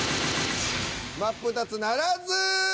マップタツならず！